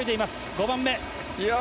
５番目。